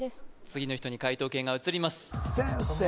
次の人に解答権が移ります先生